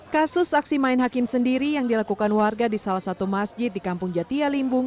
kasus aksi main hakim sendiri yang dilakukan warga di salah satu masjid di kampung jatia limbung